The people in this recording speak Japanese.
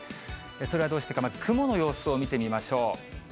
それはどうしてか、まず雲の様子を見てみましょう。